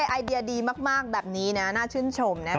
ไอเดียดีมากแบบนี้นะน่าชื่นชมนะครับ